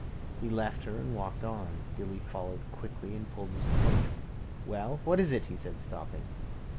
He left her and walked on. Dilly followed quickly and pulled his coat. —Well, what is it? he said, stopping.